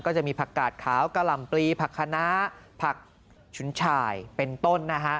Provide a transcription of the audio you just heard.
จะมีผักกาดขาวกะหล่ำปลีผักคณะผักฉุนฉ่ายเป็นต้นนะฮะ